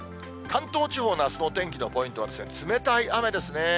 関東地方のあすのお天気のポイントは、冷たい雨ですね。